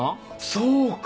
そうか！